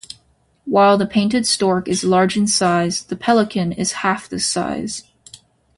While the painted stork is large in size, the pelican is half this size.